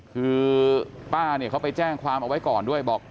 คือป้าเนี่ยเขาไปแจ้งความเอาไว้ก่อนด้วยบอก